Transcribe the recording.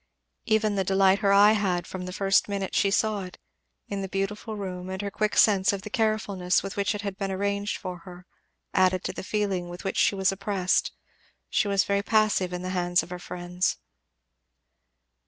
Even the delight her eye had from the first minute she saw it, in the beautiful room, and her quick sense of the carefulness with which it had been arranged for her, added to the feeling with which she was oppressed; she was very passive in the hands of her friends.